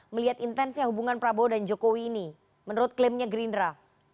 melihat intensnya hubungan prabowo dan jokowi ini menurut klaimnya gerindra